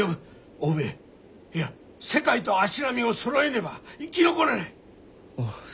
欧米いや世界と足並みをそろえねば生き残れない！